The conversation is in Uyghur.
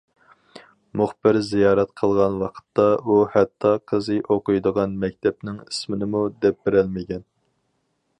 مۇخبىر زىيارەت قىلغان ۋاقىتتا، ئۇ ھەتتا قىزى ئوقۇيدىغان مەكتەپنىڭ ئىسمىنىمۇ دەپ بېرەلمىگەن.